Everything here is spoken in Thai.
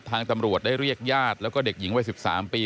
ทางตำรวจได้เรียกย่าดและเด็กหญิงวัย๑๓ปี